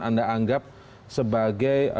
anda anggap sebagai